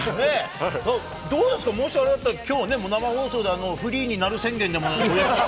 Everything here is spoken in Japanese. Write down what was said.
どうですか、もしあれだったら、きょうはね、生放送でフリーになる宣言でもおやりに？